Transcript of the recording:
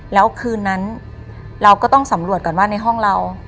แล้วคืนนั้นเราก็ต้องสำรวจก่อนว่าในห้องเรา